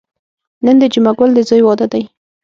نن د جمعه ګل د ځوی واده دی.